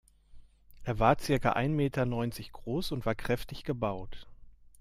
Er war circa ein Meter neunzig groß und war kräftig gebaut.